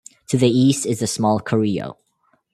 To the east is the small Carrillo.